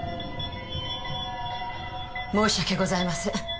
申し訳ございません。